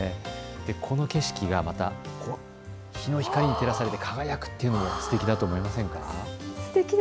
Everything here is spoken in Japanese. この景色がまた日の光に照らされて輝くというのもすてきだと思いませんか。